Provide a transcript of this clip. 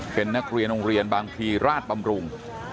เป็นนักเรียนโรงเรียนบางพลีราชบำรุง